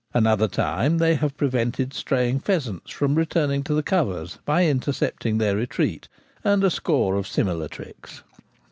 Another time they have prevented straying pheasants from returning to the covers by intercepting their retreat ; and a score of similar tricks.